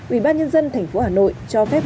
ubnd thành phố hà nội cho phép